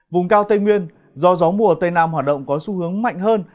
vùng cao tây nguyên do gió mùa tây nam hoạt động có xu hướng mạnh hơn